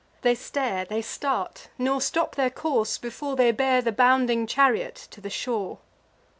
They stare, they start, nor stop their course, before They bear the bounding chariot to the shore.